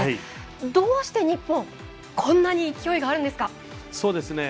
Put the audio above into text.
どうして日本こんなに勢いがあるんですか？